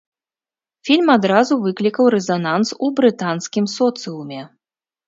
Фільм адразу выклікаў рэзананс у брытанскім соцыуме.